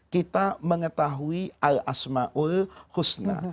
kita mengetahui al asma'ul husna